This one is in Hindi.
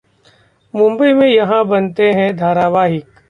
मुंबई में यहां बनते हैं धारावाहिक